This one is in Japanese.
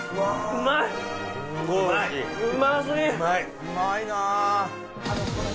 うまいなあ！